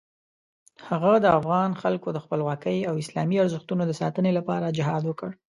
هغه د افغان خلکو د خپلواکۍ او اسلامي ارزښتونو د ساتنې لپاره جهاد وکړ.